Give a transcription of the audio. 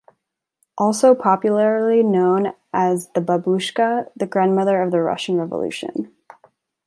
Also popularly known as known as Babushka, the grandmother of the Russian Revolution.